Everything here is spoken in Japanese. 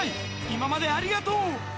今までありがとう。